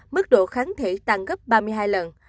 mức độ kháng thể tăng gấp ba mươi hai lần